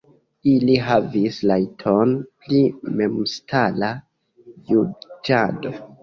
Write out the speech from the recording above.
Ili havis rajton pri memstara juĝado.